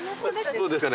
どうですかね。